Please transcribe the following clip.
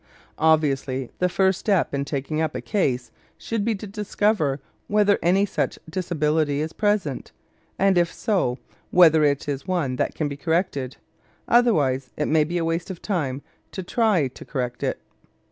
Obviously, the first step in taking up a case should be to discover whether any such disability is present, and, if so, whether it is one that can be corrected; otherwise it may be a waste of time to try to correct it.